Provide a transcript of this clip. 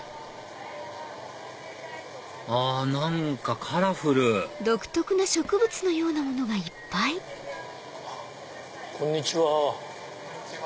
あ何かカラフル！あっこんにちは。